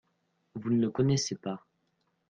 Vous ne le connaissez pas.